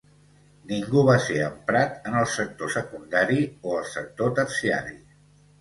Ningú va ser emprat en el sector secundari o el sector terciari.